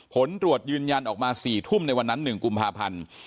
ผลตรวจยืนยันออกมา๔ทุ่มในวันนั้น๑กุมภาพันธ์